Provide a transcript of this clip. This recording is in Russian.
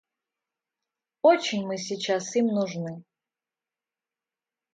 Очень мы сейчас им нужны.